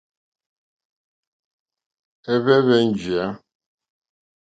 Ɛ́hwɛ́ǃhwɛ́ njìyá.